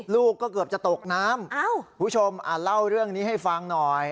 ลูกก็เกือบจะตกน้ำผู้ชมเล่าเรื่องนี้ให้ฟังหน่อย